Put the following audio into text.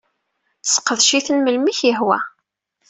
Sseqdec-iten melmi k-yehwa.